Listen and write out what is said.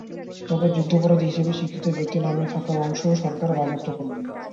তবে যুদ্ধাপরাধী হিসেবে স্বীকৃত ব্যক্তির নামে থাকা অংশ সরকার বাজেয়াপ্ত করবে।